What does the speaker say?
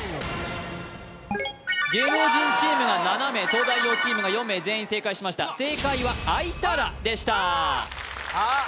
芸能人チームが７名東大王チームが４名全員正解しました正解は「あいたら」でしたあっ！